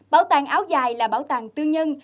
bảo tàng áo dài là bảo tàng tư nhân